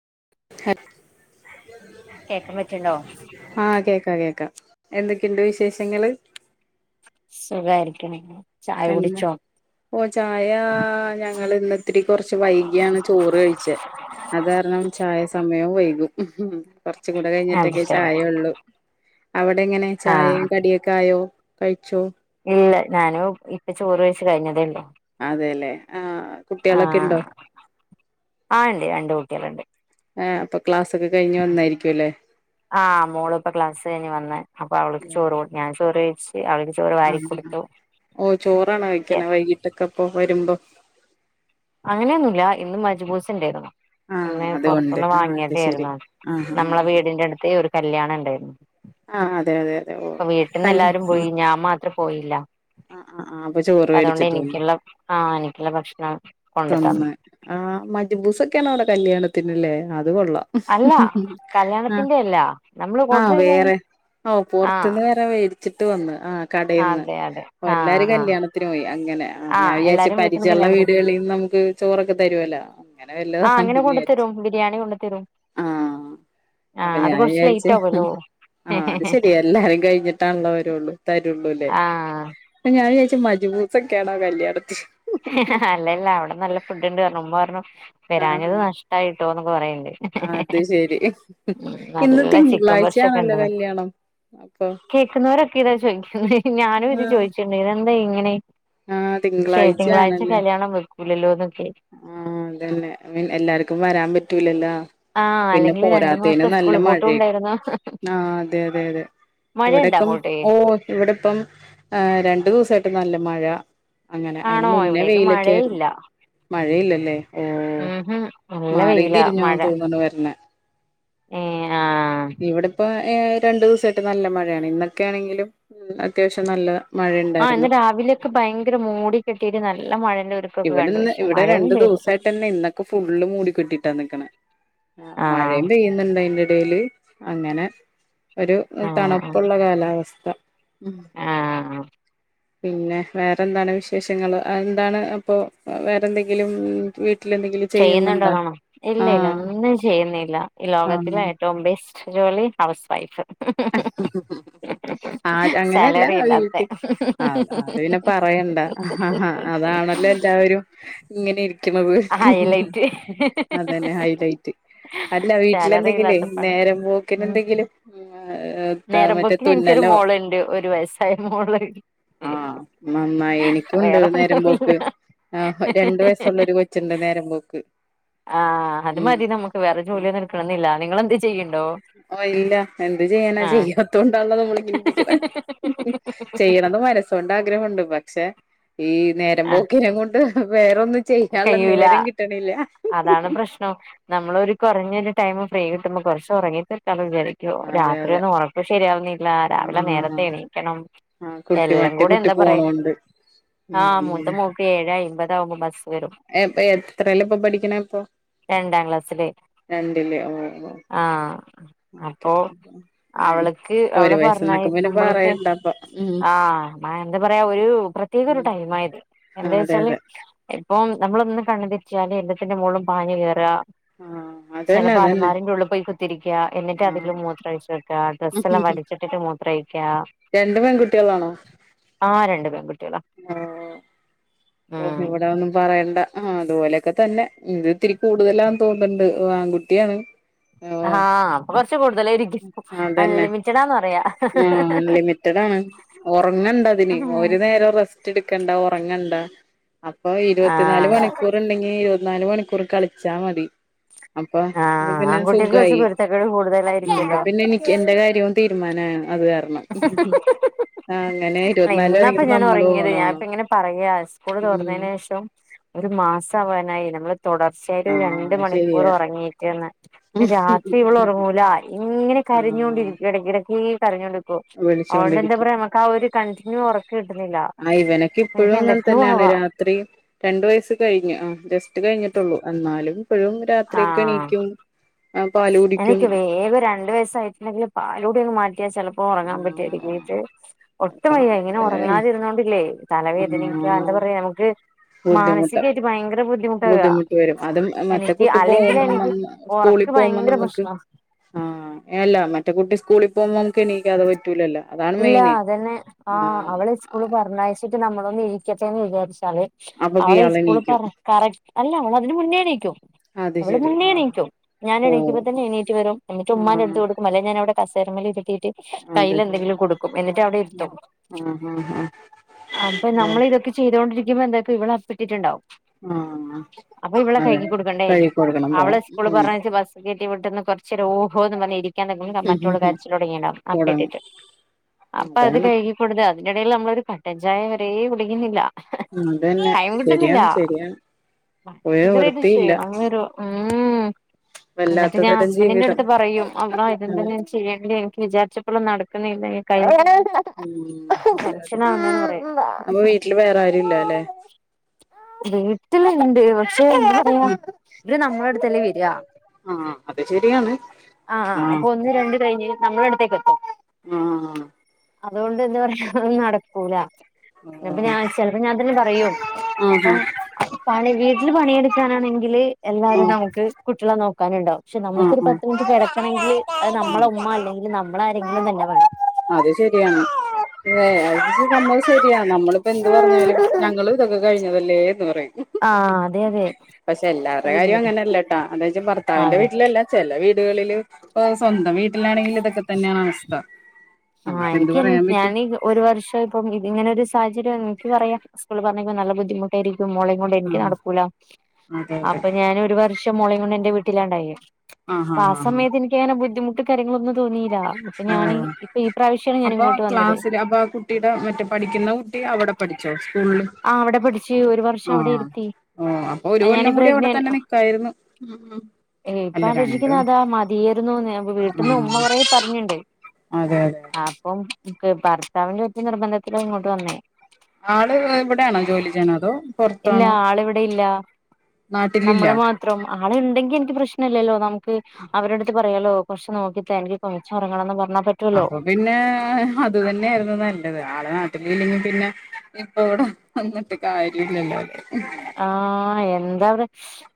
[unintelligible] കേക്കാൻ പറ്റണ്ടോ ആഹ് കേക്കാം കേക്കാം എന്തൊക്കെയുണ്ട് വിശേഷങ്ങള് സുഖായിരിക്ക്ണ് ചായ എന്താ കുടിച്ചോ ഓ ചായ ഞങ്ങള് ഇന്നിത്തിരി കൊറച്ച് വൈകിയാണ് ചോറ് കഴിച്ച് അത് കാരണം ചായ സമയവും വൈകും ഉം കൊറച്ച് കൂടെ അത് കഴിഞ്ഞിട്ടൊക്കെ ശരി ചായ ഉള്ളു അവിടെ എങ്ങനെ ചായയും ആഹ് കടിയൊക്കെ ആയോ? കഴിച്ചോ ഇല്ല ഞാനും ഇപ്പ ചോറ് കയിച്ച് കഴിഞ്ഞതേള്ളൂ അതേല്ലേ ആഹ് കുട്ട്യാളൊക്കെണ്ടോ ആഹ് ആഹ് ആഹ് അപ്പൊ ക്ലാസ്സൊക്കെ കഴിഞ്ഞ് വന്നായിരിക്കും അല്ലേ ആ മോള് പ്പ ക്ലാസ്സ് കഴിഞ്ഞ് വന്ന് അപ്പൊ അവള്ക്ക് ചോറ് കൊട് ഞാൻ ചോറ് കഴി ആഹ ഓ ചോറാണ് കഴക്ക്ണ വൈകിട്ടൊക്കെ പോ വരുമ്പോ അങ്ങനെയൊന്നുല്ല ഇന്ന് മജ്ബൂസ്ണ്ടായിന്ന് ആഹ് ഇന്ന് അതുകൊണ്ട് പൊറ്ത്ത്ന്ന് ആഹ് അത് ശരി വാങ്ങ്യതേര്ന്നു ആഹ് നമ്മളെ ആഹ് വീടിന്റെ അടുത്ത് ഒരു കല്യാണം ണ്ടായിര്ന്ന് ആഹ് അതെ അതെ അതെ ഓ പ്പ വീട്ടിന്ന് എല്ലാരും പോയി ഞാൻ മാത്രം പോയില്ല ആ ആ ആ അപ്പൊ ചോറ് മേടിച്ചിട്ട് വന്നു ല്ല ഭക്ഷണം കൊണ്ട് തന്നു തന്ന് ആ മജ്ബൂസൊകേണ് അവിടെ കല്യാണ പിന്നല്ലേ അത് അത് കൊള്ളാ അല്ല ആ കല്യാണത്തിന്റെ അല്ല നമ്മള് ആ ഓർഡർ ചെയ്ത് വാങ്ങി വേറെ ആഹ് പുറത്ത്ന്ന് വരെ വേടി ചുട്ട് വന്ന് ആ കടേന്ന് അതെ അതെ പ്പൊ എല്ലാരും ആഹ് ആഹ് കല്യാണത്തിന് പോയി അങ്ങനെ ആഹ് ഞാൻ വിചാരിച്ച് എല്ലാരും വീട്ടിന്ന് പരിചയുള്ള കല്യാണത്തിന് വീടുകളി നമുക്ക് ചോറൊക്കെ തരുല്ല അങ്ങനെ നമ്മുക്ക് ചോറ്ക്കെ തരുവല്ലോ അങ്ങനെ വല്ലോം ആഹ് ആണ്‌ അങ്ങനെ കൊണ്ട് വിചാരിച്ചു തരും ബിരിയാണി കൊണ്ട് തരും ആഹ് ആഹ് അപ്പം അത് ഞാൻ കുറച്ച് വിചാരിച്ചു ലേറ്റ് ആവല്ലോ അത് ശരി എല്ലാരും കഴിഞ്ഞിട്ടാണല്ലോ വരുള്ളൂ തരുള്ളൂല്ലേ ആഹ് അപ്പം ഞാൻ വിചാരിച്ചു മജ്ബൂസക്കാടാ കല്ലിയാണതിനു അല്ല അല്ല അവിടെ നല്ല ഫുഡ്ണ്ട് കാരണം ഉമ്മ പറണം വരാനത് ആഹാ നഷ്ടയിട്ടോ [unintelligible] അത് ശരി ഇന്ന് നല്ല ചിക്കൻ പൊരിച്ച ഒക്കെ തിങ്കളാഴ്ചയാണല്ലോ ഉണ്ടെന്ന് കല്യാണം അപ്പൊ കേൾക്കുന്നവരൊക്കെ ഇതാ ചോദിക്കുന്നത് ഞാനും ഇത് ആഹ് ചോദിച്ചിട്ടുണ്ട് ഇത് എന്താ ഇങ്ങനെ ആഹ് തിങ്കളാഴ്ച തിങ്കാഴ്ച ആണല്ലേ കല്യാണം വേ ക്കുല്ലല്ലോന്ന് ആഹ് അത് തന്നെ എല്ലാർക്കും വരാൻ പറ്റൂലല്ലാ ആഹ് പിന്നെ അല്ലെങ്കിൽ രണ്ടു പോരാത്തേന് മാസത്തെ സ്കൂൾ നല്ല പൂട്ടും മഴയും ഉണ്ടായിരുന്നു ആഹ് അതെ അതെ അതെ മഴയുണ്ട ഇവിടെക്കം അങ്ങോട്ടേ ഓ ഇവിടെ ഇപ്പം രണ്ടു ദിവസായിട്ട് നല്ല മഴ അങ്ങനെ അയിന് ആണോ മുന്നേ ഇവിടേക്ക് വെയിലൊക്കെ ആയിരുന്നു മഴയില്ല മഴയില്ലല്ലേ ഓ ഉംഹ് നല്ല മാറിയും വെയില തിരിഞ്ഞും മഴ തോന്നുന്നു വരണേ ഏ ആഹ് ഇവിട്പ്പൊ ആഹ് രണ്ടു ദിവസമായിട്ട് നല്ല മഴയാണ് ഇന്നൊക്കൊണെങ്കിലും അത്യാവശ്യം നല്ല ആഹ് ഇന്ന് മഴയുണ്ടായിരുന്നു രാവിലെയൊക്കെ ഭയങ്കര മൂടി കെട്ടിട്ട് നല്ല മഴന്റെ ഒരുക്കൊക്കെ കണ്ടു ഇവിടെന്ന് പക്ഷേ ഇവിടെ രണ്ടു ദിവസായിട്ട്ന്നെ ഇന്നൊക്കെ ഫുള്ള് മൂടി കെട്ടിട്ടാ നിക്കണേ ആഹ് മഴയും പെയ്യുന്നുണ്ട് ഇടയില് അങ്ങനെ ഒരു ആഹ് തണുപ്പുള്ള കാലാവസ്ഥ [unintelligible] ആഹ് പിന്നെ വേറെന്താണ് വിശേഷങ്ങള് അഎന്താണ് അപ്പോ വേറെന്തെങ്കിലും വി ചെയ്യുന്നുണ്ടോ ന്നാണോ? ഇല്ല ഇല്ല ആഹ് ഒന്നും ചെയ്യുന്നില്ല ഈ ലോകത്തിലെ ആഹ് ഏറ്റവും ബെസ് റ്റ് ജോലി ഹൗസ് വൈഫ്. ആഹ് അങ്ങനെല്ല സാലറി ഇല്ലാത്തെ വീട്ടിൽ ആഹ് അത് പിന്നെ പറയണ്ട ആഹ് അതാണല്ലോ എല്ലാവരും ഇങ്ങനെ ഇരിക്ണ ഹൈലൈറ്റ് അതന്നെ ഹൈലൈറ്റ് അല്ല വീട്ടില് സാലറി എന്തെങ്കിലും ഇല്ലാത്തപ്പാട് നേരം പോക്ന് ഉം എന്തെങ്കിലും അഹ് നേരമ്പോക്കിന് എനിക്കൊരു മോളുണ്ട് ഒരു വയസായ മോള്. ആ നന്നായി എനിക്കുണ്ട് വേറെ നേരം പോക്ക് ഒന്നുംല്ലാ ആ രണ്ട് വയസ്സുള്ള ഒരു കൊച്ചുണ്ട് നേരം പോക്ക് ആഹ് അത് ഉം മതി നമക്ക് വേറെ ജോലിയോന്ന് എടുക്കണംന്നില്ല. നിങ്ങെളെന്ത് ചെയ്യ്ണ്ടോ? ത് ചെയ്യണ്ട. ചെയ്യാത്തോണ്ടാ ന്നാ നമ്മള് ചിന്തിക്കുന്നെ. ചെയ്യണംന്ന് മനസ്സൊണ്ട് ആഗ്രഹുണ്ട് പക്ഷെ ഈ നേരം ആഹ് പോക്കിനെ കൊണ്ട് വേറൊന്നും ചെയ്യാൻള്ള കയ്യൂല നേരം കിട്ടണില്ല. അതാണ് പ്രശ്നം. നമ്മളൊരു കുറഞ്ഞരു ടൈമ് ഫ്രീ കിട്ടുമ്പോ കുറച്ച് ഉറങ്ങി [unintelligible] എണീക്കൊ അതെ രാത്രി അതെ ഒന്നും ഒറക്കം ശരിയാവുന്നില്ല രാവിലെ ആഹ് നേരത്തെ എണീക്കണം. ആ കുട്ടി എല്ലം മറ്റേ കൂടെ കുട്ടി എന്താ പറയാ. പോണോണ്ട് ആഹ് മൂത്ത ഉം മൂക്ക് ഏയെ അയ്മ്പതാവുമ്പോ ബസ് വരും പ്പ പഠിക്കണ ഇപ്പൊ രണ്ടാം ക്ലാസ്സില് രണ്ട്ല്ലേ ഓ ഓ ഓക്കെ അപ്പോ ഉം അവള്ക്ക് ഒരു അവള് വയസ്സന്നൊക്കെ പിന്നെ പറഞ്ഞയ്കുമ്പൾക്ക് പറയണ്ടപ്പൊ ഉം ആഹ് എന്ത് പറയാ ഒരു പ്രത്യേക ഒരു ഉം ടൈമാ ആയത് എന്താ അതെ വച്ചാല് അതെ ഇപ്പം നമ്മളൊന്ന് കാണ [unintelligible] വച്ചാല് എല്ലത്തിന്റെ മോള് ളും പാഞ് കേറ ആഹ് അതന്നെ ചെലപ്പോ അതന്നെ അലമാരന്റെ ഉള്ളി പോയി കുത്തിരിക്ക എന്നിട്ട് ആഹ് അതിലും മൂത്രഴിച്ച് ആഹ് ഡ്രസ്സ് എല്ലാം വലിച്ചിട്ട് ട്ട് മൂത്രേയി ക്ക്യാഹ് രണ്ട് പെൺകുട്ടികളാണോ രണ്ട് പെൺകുട്ട്യേള ഓഹ് ഓഹ് ഇവടെ അഒന്നും പറയണ്ട ആഹ് അതുപോലെക്കെ തന്നെ ഇത് ഇത്തിരി കൂടുതലാന്ന് തോന്ന്ന്ന്ണ്ട് ആൺകുട്ട്യാണ് ആഹ് പ്പ അതന്നെ പറയാ ആ അലിമിറ്റഡാണ് ഒറങ്ങണ്ടതിന് ഒരു നേരം റെസ്റ്റ് എട് ക്ക ഇണ്ട ഉറങ്ങണ്ട അപ്പൊ ഇരുപത്തിനാല് ആഹ് മണിക്കൂർ ഉണ്ടെങ്കിൽ ഇരുപ നാല മണിക്കൂർ കളിച്ചാ മതി അപ്പൊ ആഹ ആൺകുട്ടിക്ക് കുറച്ച് പെരുത്തക്ക കൂടുതലായി ആ പിന്നെ എനിക്ക് എന്റെ കാര്യവും തീരുമാനം ഉം് അങ്ങനെ ഇരുപത്തിനാല് ഇന്നപ്പ മണിക്കൂർ ഞാൻ നമ്മളും ഉറങ്ങിയത് ഞാന ഇപ്പ ഓണാവണം ഇങ്ങനെ പറയാ സ്കൂൾ ഉം തോറന്നതിനന് ശേഷം ഒരു മാസ സഭാനായി നമ്മ തുടർച്ചയായിട്ട രണ്ട ആഹ് മണിക്കൂർ ശരിയാ ഉറങ്ങീട്ടന്ന് രാത്രി ഇവള ഉറങ്ങൂല ഇങ്ങനെ ആഹ് കരിഞ്ഞൊണ്ടിരിക്ക ഇടക്കിടക്ക് പറഞ്ഞോളൂ അതുകൊണ്ട് എന്താ വിളിച്ചോണ്ടിരിക്കും പറയാ നമുക്ക് ആ ഒരു കണ്ടിന്യൂ ഉറക്ക കട്ട ആ ഇവനൊക്ക ഇപ്പോഴും അങ്ങനെ തന്നെയാണ് ആവാ രാത്രി രണ്ട വയസ്സ് കഴിഞ്ഞു ആ എ കഴിഞ്ഞിട്ടുള്ളൂ എന്നാലും എപ്പോഴും ആഹ് രാത്രിക്കണക്കും ആ പാല കുടിക്കും ണ്ട്വസ്സയിട്ടുെങ്കിൽ പാല് കുടിയങ്ങ്മാറ്റിട്ട് ത്തിയ ചിലപ്പോ ആ ഉറങ്ങാൻ പറ്റിരിക്കും ഒട്ടും വയ്യ പാല് ഇങ്ങനെ ഉറങ്ങാതിരുന്നോണ്ടില്ലേ ആ തലവേദനിക്ക എന്താ പറയാ നമുക്ക് ബുദ്ധിമുട്ട് മാനസികായിട്ട് ഭയങ്കര ബുദ്ധിമുട്ടാക എനിക്ക് പോ അല്ലെങ്കിൽ എനിക്ക് സ്കൂളിൽ ഉറക്ക് പോകുമ്പോ ഭയങ്കര നമുക്ക് പ്രശ്നാ ആഹ എല്ലാ മറ്റ മറ്റേ കുട്ടി സ്കളിൽ ഫോകുമ്പോ നമക്ക് എണീക്കത പറ്റലല്ലോ ഇല്ല അതന്നെ ആ് അവള് സ്കൂള് പറഞ്ഞഴ നമ്മളൊന്ന് ഇരിക്കത്തന്ന് വിചാച്ചു അപ്പൊക്ക് അവള ഈ ഇയാള് സ്കൂള് എണീക്കും പറ കറക് അല്ല നമ്മൾ അതിന് മുന്നേ ണീക്കും അത് നമ്മള് ശരി മുന്നേ ആ എണീക്കും ഞാനൻ ഓ എണക്കുമ്പ തന്നെ എണീറ്റ് വും എന്നട്ട് ഉ്മാന്റെ ആ അടുത്ത് കൊടുക്കും അല്ലെ ഞാനവിടെ കസേരമല ശ അതെ കൈലെന്തെങ്കിലും കൊടുക്കുംഎന്നിട്ട അ വിടെരു ആഹ് ആഹ് ത്തുംനമ്മൾ ഇതൊക്കെചെയ്തണ്ട ഇവിടന്നപ്പഇവൾഅപ്പിട്ടണ്ടാവും, ആഹ് ആഹ് അപ്പൊ ഇവളെ അതെ കഴുകി കൊടുക്കണ്ടേ കഴുകി കൊടുക്കണം അവള പോണം സ്കൂള് പറച്ച ബസ് ഇവിടന്ന്കുറച്ച്നേരം ഓഹോ എന്ന് പ മറ്റുള്ള ഉം കാര്യച്ചത്തിലോടങ്ങണ്ടാ കൊടങ്ങും അപ്പട്ടിട്ട് അപ്പൊ അത് അതാണ് കൈകി കൊടു അതിന്റെടെല് നമ്മള ഒരു കട്ടൻചായ വര കുടിക്കുന്നില്ല അതന്നെ ടൈം കിട്ടുന്നില്ല ശരിയാണ് ശരിയാണ് പോയോ ഭയങ്കരായിട്ട് വൃത്തിയില്ല ക്ഷീണം വരും ഉം എന്നിട്ട് വല്ലാത്ത ഞാൻ തരം ജീവിതം ഹസ്ബന്റിന്റെടുത്ത് പറയും അള്ളാ ഇതന്താ അതെ ഞാൻ ചെയ്യേണ്ടി വിചാര്ച്ചപ്പളും നട ക്ക്ണ്ല്ലെ കഴ ഉം [inaudible] അതെ അതെ ടെഷനവണ്ടാന്ന്പറിം അപ്പൊ വീട്ടില് വേറെ ആരും ഇല്ല അല്ലെ വീട്ട്ല്ണ്ട് പ ച്ചോ [unintelligible] ര് നമ്മളട്ത്തല്ലേ വെരാ ആഹ് അത് ശെര്യാണ്. ആഹ് അപ്പൊ ഒന്ന് രണ്ട് കഴിഞ്ഞ് നമ്മളട്ത്തേക്കെത്തും ആഹ് അതോണ്ട് എന്താ പറയാ അഅ് നടക്കൂല. അപ്പ ആഹ് ഞാൻ ചെല് പ്പൊ ഞാൻ തന്നെ പറയും ആഹ് അപ്പം പണി വീ ട്ടില് പണിയെട്ക്കാനാണെങ്കില് എല്ലാരും നമക്ക് കുട്ട്യെളെ നോക്കാന്ണ്ടാവും പക്ഷെ ആഹ് നമുക്കൊരു ആഹ് പത്ത് ഇൻക്ക് കെടക്കണെങ്കില് അഅ് ആഹ് നമ്മളെ ഉമ്മ അല്ലെങ്കി ല് നമ്മളാരെങ്കിലും തന്നെ വേണം. അത് ശര്യാണ് ഏഹ് അഅ് ജ് പർഞ്ഞത് ശെര്യാ നമ്മള്പ്പെന്ത് പർഞ്ഞാലും ഞങ്ങളുതൊക്കെ കഴി ഞ്ഞതല്ലേ ന്ന് പറയും. ആഹ് അതെ പക്ഷെ എല്ലാറെ കാര്യം അതെ അങ്ങനെല്ലട്ടാ അതാ ജ് ആ ഭർത്താവിന്റെ വീട്ടിലല്ല ചെല വീടുകളില് പ്പം സ്വന്തം വീട്ടിലാണെങ്കില് ഇതൊക്കെ തന്നെയാണ് അവസ്ഥ ആഹ് നമുക്ക് എന്ത് ഇനിക്കിൻ പറയാൻ പറ്റും ഞാന് ഒരു വർഷം ഇപ്പം ഇങ്ങനെരു സാഹചര്യാണ് നിക്ക് പറയാ സ്കൂൾ പറഞ്ഞയക്കാൻ നല്ലുദ്ധിമുട്ടായിരി ക്ക്‌ മോളേം കൊണ്ട് എനിക്ക് ആഹ് നടക്കൂല. അതെ അതെ അപ്പൊ ഞാനൊരു വർഷം മോളേം കൊണ്ട് എന്റെ വീ ട്ടിലാണ്ടായേ ആഹ് ആ ആഹ് ആഹ് സമയത്ത് നിക്കങ്ങനെ ബുദ്ധിമു തെ കാര്യങ്ങളൊന്നും തോന്നീല. അപ്പൊപ്പ ഞാൻ ആഹ് ഓഹ് ഇപ്പൊ ഈ പ്രാവശ്യമാണ് ഞാൻ അപ്പൊ ഇങ്ങോട്ട് വന്നത് ക്ലാസ്സില് അപ്പൊ കുട്ടിയുടെ മറ്റേ പഠിക്കുന്ന കുട്ടി അവടെ പഠിച്ചോ സ്കൂളില്? ആ അവടെ പടിച് ഒരു വർഷം അവടെ ആഹ് ഇരുത്തി. ഓഹ് അപ്പൊ ഒരു എ ഞാനീ കൊല്ലം കൂടി അവിടെ പ്രഗ്നൻ തന്നെ അഹ് നിക്കായിരുന്നു ഏഹ് ഇപ്പ അല്ല രണ്ട് ആലോചിക്കുന്നതാ മതിയേരുന്നുന്ന് വീട്ട്ന്ന് ഉമ്മ ആഹ് പറ പർഞ്ഞ്ണ്ട് അതെ അതെ അതെ അപ്പം ക്ക് ഭർത്താവിന്റെ ഒറ്റ നിർബന്ധത്തിലോ ഇങ്ങോട്ട് വന്നേ ആള് ഇവിടെയാണോ ജോലി ചെയ്യണത് അതോ ഇല്ല പൊറത്താണോ? ആളിവിടെ ഇല്ല നാട്ടിലില്ല നമ്മള് മാത്രം ആള്ണ്ടെങ്കി എനിക്ക് പ്രശന ല്ലല്ലോ നമക്ക് അവരട്ത്ത് [unintelligible] അപ്പൊ പിന്നെ അത് തന്നെയായിരുന്നു നല്ലത് ആളെ ല്ലെങ്കി പിന്നെ ഇപ്പ ഇവിടെ നിന്നിട്ട് കാര്യല്ലല്ലോേ ആ എന്ത [unintelligible]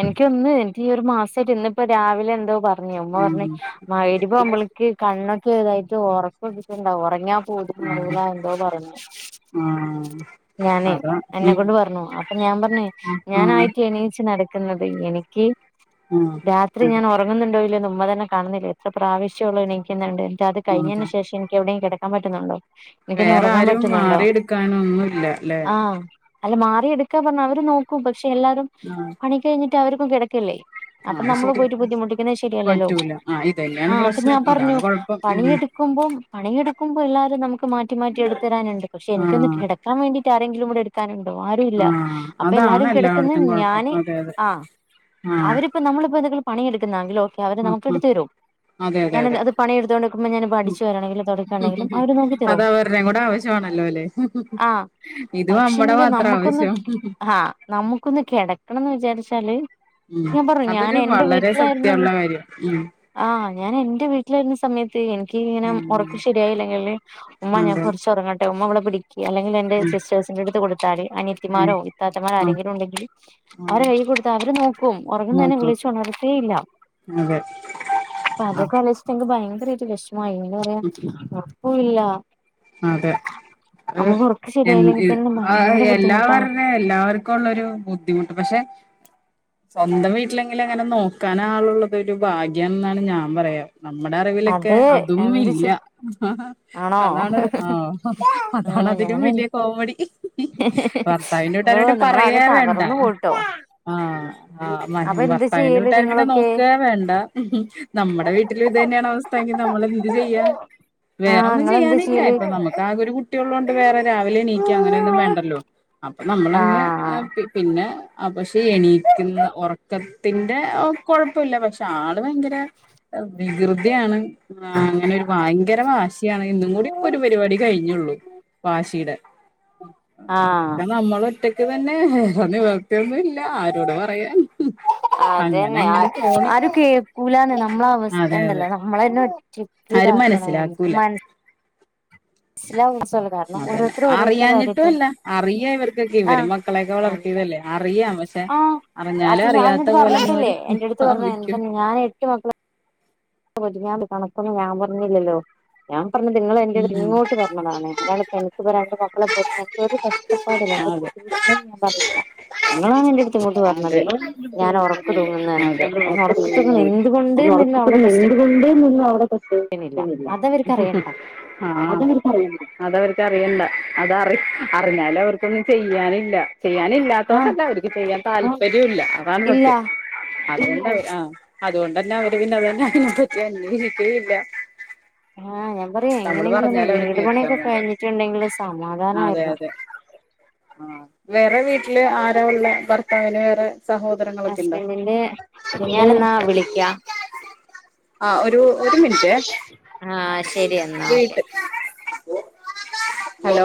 എനിക്കൊന്ന് ഈ ഒരു മാസായിട്ട് ഇന്ന് ഇപ്പോ രാവിലെ എന്തോ പറഞ്ഞ് ഉമ്മ പറഞ്ഞ് ഉം മഗ്‌രിബ് ആവുമ്പോളേക്ക് കണ്ണൊ ഒ ഇതായിട്ട് ഉറക്കിിച്ചിട്ടണ്ട ഉറങ്ങാ പതി ആഹ് മാറില്ല എന്തോ പറഞ്ഞു ആഹ് ഞാന് അതാ ഉം എന്നെക്കൊണ്ട് പറഞ്ഞു അപ്പ ഞാൻ പറഞ്ഞേ ആഹ് ഞാനായിട്ട് എണീച്ച നട ുന്നത് എനിക്ക് ആഹ് രാത്രി അതെ ഞാൻ ഉറങ്ങുന്നുണ്ടോല്ലോ മുമ്പ തന്നെ കാണുന്നില്ല എത്ര പ്രാവശ്യം ഉള്ള എനിക്കുന്നുണ്ട് അത് കഴഞ്ഞതിന് അതെ ശേഷം എനി എവിടെയും കിട പാൻ പറ്റുന്നുണ്ടോ എനിക്കൊന്ന് വേറെ ഉറങ്ങാൻ ആാരും മാറ പറ്റുന്നുണ്ടോ എടുക്കാനൊന്നുമല്ല അല്ലേ ആഹ് അല്ല മാറിെടുക്ക ഒക്കെ പറഞ്ഞ അവര് നോക്ക പക്ഷെ എല്ലാവരും ആഹ് പണി കഴിഞ്ഞിട്ട് അവർക്കും കിടക്കല്ലേ അപ്പൊ അത് നമ്മള് ശരിയാ പോയിട്ട് ബുദ്ധിമുട്ടിക്കുന്നത് ശരിയല്ലല്ലോ പറ്റൂല ആഹ് ഇതന്നെയാണ് ആഹ അപ്പൊ പ്രശ്നം ഞാൻ പറഞ്ഞു ഇതാണ് കൊഴപ്പം ഉം പണിയെടുക്കുമ്പോം പണിയെടു ആുമ്പോ എല്ലാരും ന മാറ്റി മാറ്റി എടുത്തരാനുണ്ട് പക്ഷെ എനിക്കൊന്ന് ആഹ് കിടക്കാൻ വേണ്ടി ആങ്കിലുംൂ എടുക്കാനുണ്ട് ആരുംല്ല ആഹ് അപ്പൊ അതാണ് എല്ലാരും കിടക്കുന്ന എല്ലായിടത്തും കുഴപ്പം ഞാന് അതെ അതെ ആ ആഹ് അവരിപ്പോ നമ്മളിപ്പോ എന്തൊക്കും പണിയെടുക്ക െ അവര് ആഹ് നമുക്ക് ആഹ് എടുത്തരും അതെ അതെ ഞാൻ അതെ അത് പണിയെടുത്തോണ്ടിരിക്കുമ്പോ ഞാൻ ഇപ്പൊ അടിച്ചു വാരാണെങ്കിലും തുടക്കുകയാണെങ്കിലും അവര് നോക്കി അത് തരും അവരുടെയും കൂടെ ആവശ്യമാണല്ലോ അല്ലെ ആ ഇത് നമ്മടെ പക്ഷെങ്കില് മാത്രം നമുക്കൊന്ന് ആവശ്യം ആഹ് നമുക്കൊന്ന് കിടക്കണംന്ന് വിചാരിച്ച ശല്യ ഉം ഞാൻ പറഞ്ഞു ഞാൻ അതൊരു എൻറെ വളരെ സത്യമുള്ള വീട്ടിലായിരുന്നെങ്കിൽ കാര്യം ഉം ആഹ് ഞാൻ എൻറെ വീട്ടിൽ വീട്ടിലായിരുന്ന സമയത്ത് എനിക്ക് ഇങ്ങനെ ഉറക്ക് ഉം ശരിയായില്ലെങ്കില് ഉമ്മ ഞാൻ അതെ കുറച്ചുറങ്ങട്ടെ ഉമ്മ ഇവിടെ ഇവിടിരി ക്ക് അല്ലെങ്കിൽ എന്റെ ഉം സിസ്റ്റേഴസിന്റെ അടുത്ത് കൊടുത്താല് ഉം അനിയത്തിമാരോ ആഹ് രെങ്കിലും ഉണ്ടെങ്കില് അവരെ ആഹ് കയ്യിൽ കൊടുത്താ അവര് നോക്കും ഉറങ്ങുന്നെന്നെ നോക്കും വിളിച്ച് ഉണർത്തേ ഇല്ല അതെ അപ്പൊ ആഹ് അതൊക്കാലോചി ഭയങ്കരായിട്ട് വെഷ്മ മായി പിന്നെ പറയ ഇല്ല അതെ അത് ഉറക്കം എന്ത് ശരിയായില്ലെങ്കിൽ തന്നെ ആ ഭയങ്കര ബുദ്ധിമുട്ടാണ് എല്ലാവരുഞ്ഞെ [unintelligible] എല്ലാവര ക്കള്ളരു ബുദ്ധിമുട്ട് പക്ഷെ സ്വന്തം വീട്ടിലെങ്കിൽ അങ്ങനെ നോക്കാൻ ആളുള്ളത് ഒരു ഭാഗ്യണ്ന്നാണ് ഞാൻ പറയാ നമ്മുടെ അറിവിലൊക്കെ അതെ അതും ഇല്ല എന്തിച്ചു ആണോ അതാണ് ആ ആഹ് അതാണതിനും ഞാനന്നെ വലിയ കോമഡി ഹിഹിഹി ഭർത്താവിന്റെ ഓ വീട്ടാരെക്കെ നമ്മളാകെ പറയേവേണ്ട തകർന്നു പോയിട്ടോ ആ അപ്പൊ എന്താ ആഭർത്താവിന്റെ ചെയ്യല് വീട്ടാരും പിന്നെ നിങ്ങളൊക്കെ നോക്കേവേണ്ട നമ്മുടെ വീട്ടിൽ ഇതനെ ക്ക്ണ അവസ്ഥ ഇനിനമ്മളന്ത് ചെയ്യ ആഹ് വേറൊന്നും ഇങ്ങളെന്താ ചെയ്യാനില്ല ചെയ്യല് അപ്പ നമുക്ക് ആകൊരു കുട്ടിയുള്ളൊണ്ട് വേറെ രാവിലെ എണീക്ക അങ്ങനെ ന്നും വേണ്ടല്ലോ നമ്മളങ്ങ് ആഹ് അപിന്നെ അ പക്ഷെ എണീക്കുന്ന ഉറക്കത്തിന്റെ അകൊഴ്പ്പല്ല പക്ഷെ ആള് ഭയങ്കര വികൃതിയാണ് അങ്ങനൊരു ഭ ഭയങ്കര വാശി [unintelligible] ണ് ഇന്നൂടിം ഒരു പരിപാടി കഴിഞ്ഞുള്ളു വാ ശീടെ ആഹ് അതൊക്കെനമ്മളെറ്റക്ക് തന്നെ പ്പം നിവർത്തിയൊന്നുല്ല ആരോട് പറയാൻ അത് അങ്ങനെ തന്നെ അങ്ങട് ആര പോണ് ആരും കേൾക്കൂലാന്ന് നമ്മളെ അവ അതെ അതെ സ്ഥണ്ടല്ലോ നമ്മള് തന്നെ - ആരും ചിപ്പിതാക്കണോ മനസ്സിലാക്കൂല മനസ് [unintelligible] അതന്നെ ഓരോരുത്തർ ഓരോരുത്തരു കാര്യത്തിൽ അറിയാഞ്ഞിട്ടല്ല അറിയ ഇവര്കൊക്കെ ആഹ് ഇവരും മക്കളെക്കെ എന്താ വളർത്തിയതല്ലെ അറിയാം പക്ഷെ ആഹ് അത് അറിഞ്ഞാലും ഞാനിത് അറിയാത്ത പോലങ്ങ് പറഞ്ഞിട്ടില്ലേ വരും എന്റെ അടുത്ത് പറഞ്ഞ [unintelligible] എന്ത ക്കും ഞാൻ എട്ട് മക്കളെ [unintelligible] കണക്കൊന്നും ഞാമ് പറഞ്ഞ്ല്ലല്ലോ ഞാമ് പറഞ്ഞത് നിങ്ങളെൻ്റത് ഉം ഇങ്ങോട്ട് പറഞ്ഞതാണ് അല്ലാതെൻക് ഒരാളെ നോക്കാൻ അതെ [unintelligible] [inaudible] നിങ്ങളാണ് എൻറ ടുത്ത് ഇങ്ങോട്ട് പറഞ്ഞത് അതെ ഞാൻ ഒറക്ക് തൂങ്ങുന്ന് അതെ ഞാൻ ഉറക്ക് തൂങ്ങുന്നത് എന്തുകൊണ്ട്ന്ന് അവിട എന്തുകൊണ്ട്ന്ന് നിന്നവട [inaudible] ണില്ല അതവർക്ക് ഹ്ഹ് അറിയണ്ട ആ അതവർക്ക് അറിയൺണ്ട അതവർക്ക്അറിയണ്ട അത അറി അറിഞ്ഞാലവർക്കൊന്നു ചെയ്യാനില്ല ആഹ് ചെയ്യാനില്ലാത്തോണ്ടല്ല അവര്ക്ക്ചെയ്യാൻ ചെ താല്പ [unintelligible] റിയൂല്ല. അതാണ് ഇല്ല സത്യം. അതുകൊണ്ട് ആ അതുകൊണ്ടന്നെ അവര് പിന്നെ തന്നെ അതിനെപ്പറ്റി അന്വേഷിച്ചതൂല്ല. ആഹ് ഞമ് പറ്യ എങ്ങനെങ്കിലൊന്ന് വീട് കേൾക്കാൻ പണിയൊക്കെ വേണ്ട കഴിഞ്ഞിട്ടുണ്ടെങ്കിൽ അതെ സമാധാനായിരുന്നു. അതെ ആ വേറെ വീട്ടില് ആരാ ഉള്ളെ... ഭർത്താവിന് വേറെ സഹോദരങ്ങളൊക്കെണ്ടോ. ഹസ്ബൻഡിന്റെ പിന്നെ ഞാനെന്നാ വിളിക്കാം ആ ഒരു ഒരു മിൻറ്റെ ആ ശരി എന്നാ ഓക്കെ ഹലോ